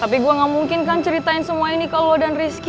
tapi gue gak mungkin kan ceritain semua ini ke lo dan rizky